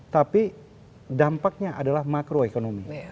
tapi dampaknya adalah makroekonomi